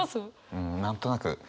うん何となく。